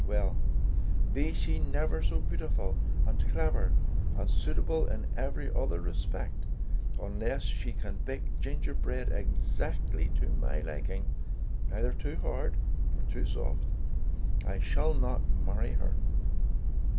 Well, be she never so beautiful, and clever, and suitable in every other respect, unless she can bake gingerbread exactly to my liking, neither too hard nor too soft, I shall not marry her."